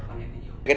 đặc điểm nhân dạng